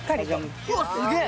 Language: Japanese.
うわっすげえ！